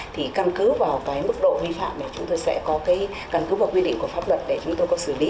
thì căn cứ vào cái mức độ vi phạm để chúng tôi sẽ có cái căn cứ và quy định của pháp luật để chúng tôi có xử lý